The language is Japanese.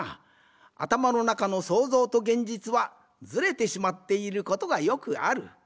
あたまのなかの想像と現実はズレてしまっていることがよくある。